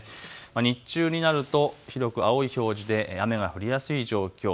日中になると広く青い表示で雨が降りやすい状況。